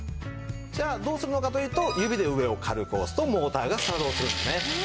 じゃあどうするのかというと指で上を軽く押すとモーターが作動するんですね。